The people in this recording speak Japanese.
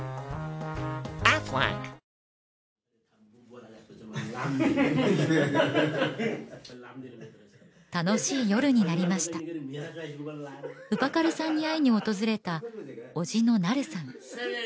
わかるぞ楽しい夜になりましたウパカルさんに会いに訪れた叔父のナルさん